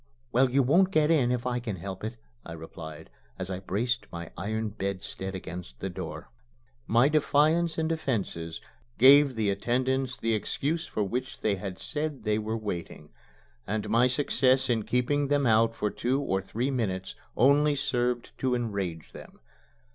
"Well, you won't get in if I can help it," I replied, as I braced my iron bedstead against the door. My defiance and defences gave the attendants the excuse for which they had said they were waiting; and my success in keeping them out for two or three minutes only served to enrage them.